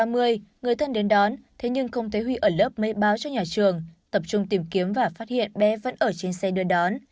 một mươi bảy h ba mươi người thân đến đón thế nhưng không thấy huy ở lớp mới báo cho nhà trường tập trung tìm kiếm và phát hiện bé vẫn ở trên xe đưa đón